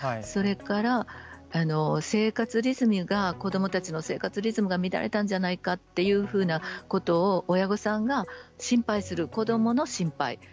それから子どもたちの生活リズムが乱れたんじゃないかということを親御さんが心配する子どもの心配。